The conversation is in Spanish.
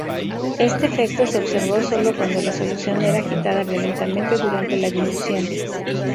Este efecto se observó sólo cuando la solución era agitada violentamente durante la dilución.